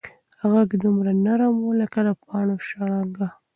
غږ دومره نرم و لکه د پاڼو شرنګ.